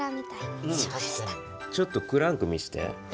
ちょっとクランク見して。